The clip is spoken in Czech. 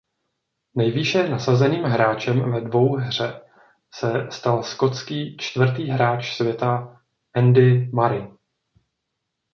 Nejvýše nasazeným hráčem ve dvouhře se stal skotský čtvrtý hráč světa Andy Murray.